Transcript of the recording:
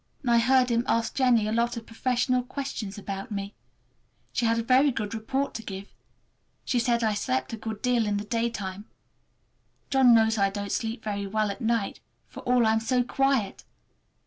And I heard him ask Jennie a lot of professional questions about me. She had a very good report to give. She said I slept a good deal in the daytime. John knows I don't sleep very well at night, for all I'm so quiet!